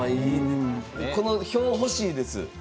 この表が欲しいです。